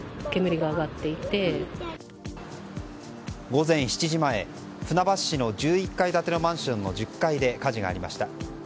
午前７時前、船橋市の１１階建てのマンションの１０階で火事がありました。